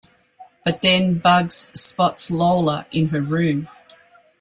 But then Bugs spots Lola in her room.